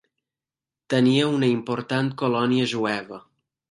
Tenia una important colònia jueva.